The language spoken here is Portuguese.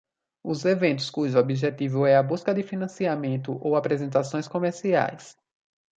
Os eventos cujo objetivo é a busca de financiamento ou apresentações comerciais.